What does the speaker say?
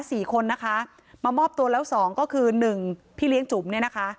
สี่คนนะคะมามอบตัวแล้วสองก็คือหนึ่งพี่เลี้ยงจุ๋มเนี่ยนะคะ